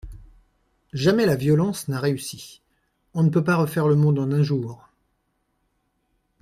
Jamais la violence n'a réussi, on ne peut pas refaire le monde en un jour.